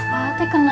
pak teh kenapa